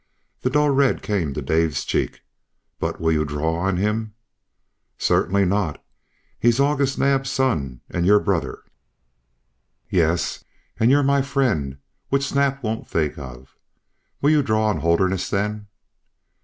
The dull red came to Dave's cheek. "But will you draw on him?" "Certainly not. He's August Naab's son and your brother." "Yes, and you're my friend, which Snap won't think of. Will you draw on Holderness, then?"